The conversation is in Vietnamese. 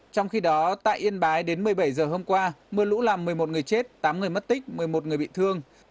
trong khi đó tại yên bái đến một mươi bảy giờ hôm qua mưa lũ làm một mươi một người chết tám người mất tích một mươi một người bị thương